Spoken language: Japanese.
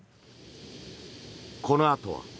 このあとは。